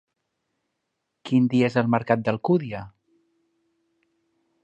Quin dia és el mercat d'Alcúdia?